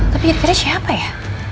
tapi itu dari siapa ya